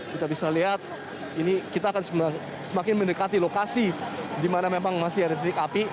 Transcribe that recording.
kita bisa lihat ini kita akan semakin mendekati lokasi di mana memang masih ada titik api